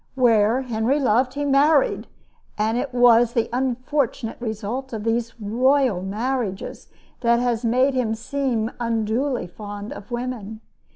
Where Henry loved, he married; and it was the unfortunate result of these royal marriages that has made him seem unduly fond of women.